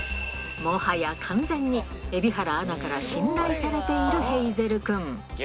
もはや完全に、蛯原アナから信頼されているヘイゼル君。